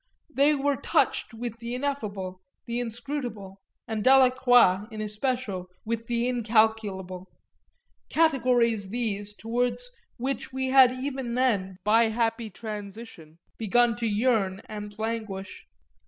They were touched with the ineffable, the inscrutable, and Delacroix in especial with the incalculable; categories these toward which we had even then, by a happy transition, begun to yearn and languish.